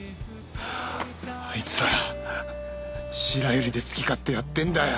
あいつら白百合で好き勝手やってんだよ。